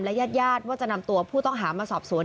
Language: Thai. ญาติญาติว่าจะนำตัวผู้ต้องหามาสอบสวน